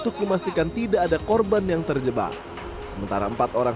kebanyakan yang patah tadi